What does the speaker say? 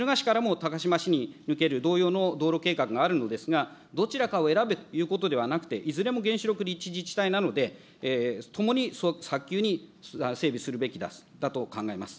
隣の敦賀市からも高島市に抜ける同様の道路計画があるのですが、どちらかを選べということではなくて、いずれも原子力立地自治体なので、ともに早急に整備するべきだと考えます。